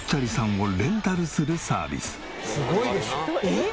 えっ！？